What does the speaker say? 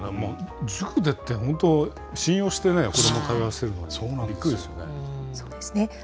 塾でって、本当、信用してね、子ども通わせてるのに、びっくりそうですね。